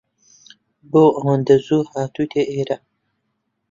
بۆ ئەوەندە زوو هاتوویتە ئێرە؟